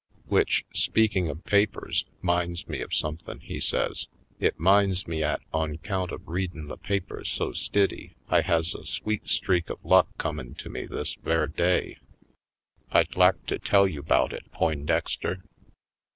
'Wich, speakin' of papers, 'minds me of somethin'," he says; "it 'minds me 'at Harlem Heights 11 on 'count of readin' the papers so stiddy I has a sweet streak of luck comin' to me this ver' day. I'd lak to tell you 'bout it, Poin dexter?"